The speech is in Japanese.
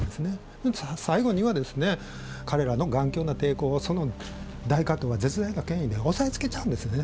最後には彼らの頑強な抵抗をその大加藤は絶大な権威で抑えつけちゃうんですね。